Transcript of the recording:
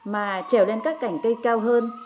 mà trèo lên các cảnh cây cao hơn